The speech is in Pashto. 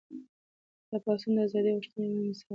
دا پاڅون د ازادۍ غوښتنې یو مهم مثال دی.